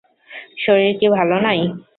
শরীর কি ভালো নাই?